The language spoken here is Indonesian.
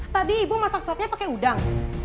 tadi ibu masak sopnya pakai udang